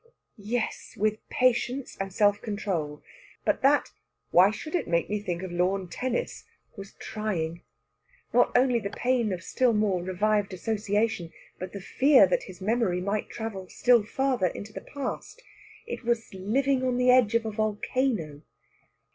Yes, with patience and self control. But that "why should it make me think of lawn tennis?" was trying. Not only the pain of still more revived association, but the fear that his memory might travel still further into the past. It was living on the edge of the volcano.